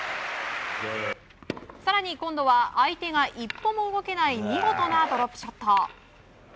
更に今度は相手が一歩も動けない見事なドロップショット。